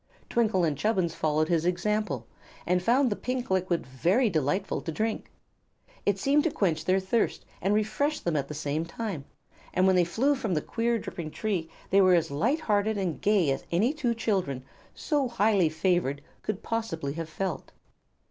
Twinkle and Chubbins followed his example, and found the pink liquid very delightful to drink. It seemed to quench their thirst and refresh them at the same time, and when they flew from the queer dripping tree they were as light hearted and gay as any two children so highly favored could possibly have felt.